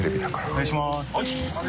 お願いします。